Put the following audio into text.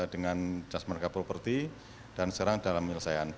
dengan jas marga properti dan sekarang dalam penyelesaian